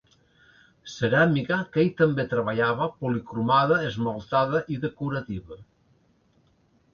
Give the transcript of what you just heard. Ceràmica, que ell també treballava, policromada, esmaltada i decorativa.